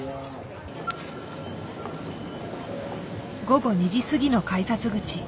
午後２時過ぎの改札口。